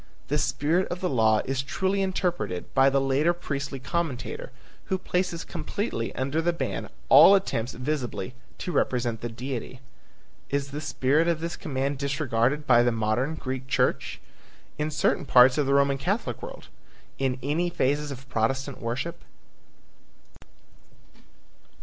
The spirit of the law is truly interpreted by the later priestly commentator who places completely under the ban all attempts visibly to represent the Deity. Is the spirit of this command disregarded by the modern Greek church? In certain parts of the Roman Catholic world? In any phases of Protestant worship?